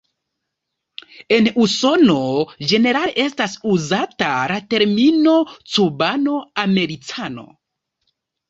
En Usono, ĝenerale estas uzata la termino "Cubano-Americano.